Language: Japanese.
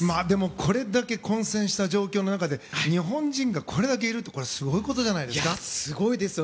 これだけ混戦した状況の中で日本人がこれだけいるってすごいことじゃないですか。